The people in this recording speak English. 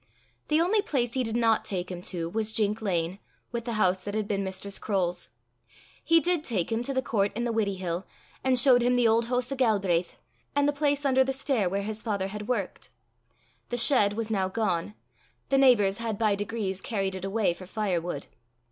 The only place he did not take him to was Jink Lane, with the house that had been Mistress Croale's. He did take him to the court in the Widdiehill, and show him the Auld Hoose o' Galbraith, and the place under the stair where his father had worked. The shed was now gone; the neighbours had by degrees carried it away for firewood.